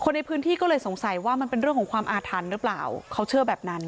ในพื้นที่ก็เลยสงสัยว่ามันเป็นเรื่องของความอาถรรพ์หรือเปล่าเขาเชื่อแบบนั้น